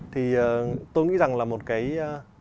thì tôi nghĩ rằng là một cái